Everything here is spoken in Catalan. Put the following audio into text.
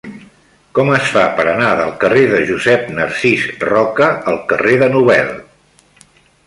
Com es fa per anar del carrer de Josep Narcís Roca al carrer de Nobel?